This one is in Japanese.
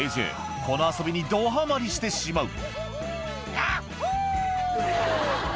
この遊びにどハマりしてしまう